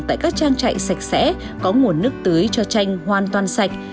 tại các trang trại sạch sẽ có nguồn nước tưới cho chanh hoàn toàn sạch